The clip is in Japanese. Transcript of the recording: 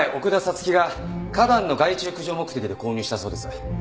月が花壇の害虫駆除目的で購入したそうです。